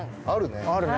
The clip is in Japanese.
あるね。